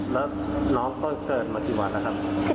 แล้วน้องก็เกิดมาสิบวันล่ะครับ